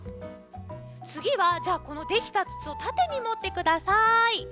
つぎはじゃあこのできたつつをたてにもってください。